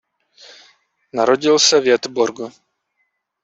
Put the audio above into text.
Narodil se v Göteborgu.